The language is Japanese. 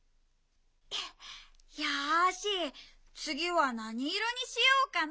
よしつぎはなにいろにしようかな。